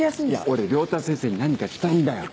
俺良太先生に何かしたいんだよ。